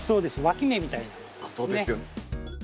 わき芽みたいなものですね。